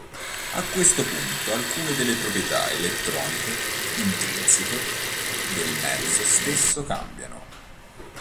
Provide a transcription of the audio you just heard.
A questo punto alcune delle proprietà elettroniche intrinseche del mezzo stesso cambiano.